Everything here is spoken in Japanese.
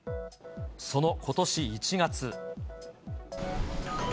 そのことし１月。